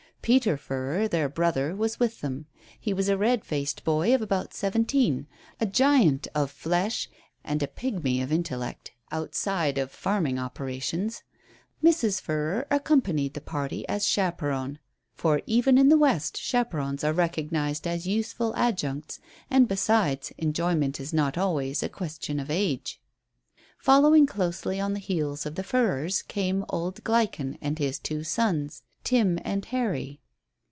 Peter Furrer, their brother, was with them; he was a red faced boy of about seventeen, a giant of flesh, and a pigmy of intellect outside of farming operations. Mrs. Furrer accompanied the party as chaperon for even in the West chaperons are recognized as useful adjuncts, and, besides, enjoyment is not always a question of age. Following closely on the heels of the Furrers came old Gleichen and his two sons, Tim and Harry.